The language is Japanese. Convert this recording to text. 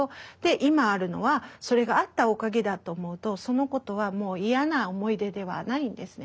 今あるのはそれがあったおかげだと思うとそのことはもう嫌な思い出ではないんですね。